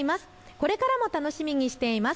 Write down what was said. これからも楽しみにしています。